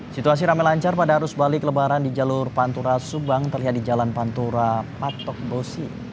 situasi rame lancar pada arus balik lebaran di jalur pantura subang terlihat di jalan pantura patok bosi